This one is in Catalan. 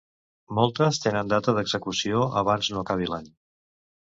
Moltes tenen data d’execució abans no acabi l’any.